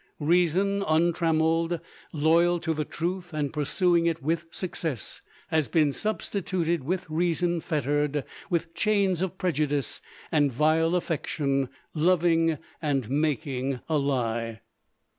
Reason untrammeled, loyal to the truth and pursuing it with success, has been substituted with reason fettered with chains of prejudice and vile affection, loving and making a lie.